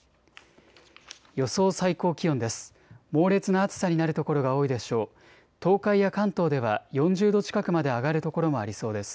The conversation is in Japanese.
予想最高気温です。